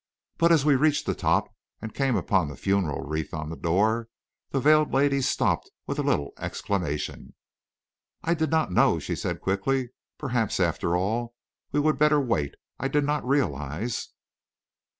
But as we reached the top and came upon the funeral wreath on the door, the veiled lady stopped with a little exclamation. "I did not know," she said, quickly. "Perhaps, after all, we would better wait. I did not realise...."